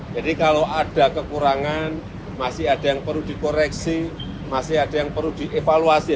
jadi kalau ada kekurangan masih ada yang perlu dikoreksi masih ada yang perlu dievaluasi